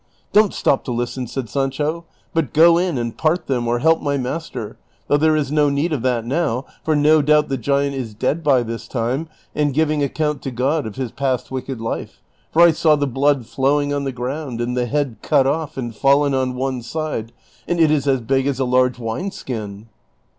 " Don't stop to listen," sa*d Sancho, " but go in and part them or help my master : though there is no need of that now, for no doubt the giant is dead by this time and giving account to God of his past wicked life ; for I saw the blood flowing on the ground, and the head cut off and fallen on one side, and it is as big as a large wine skin."